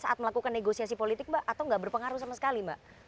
saat melakukan negosiasi politik atau gak berpengaruh sama sekali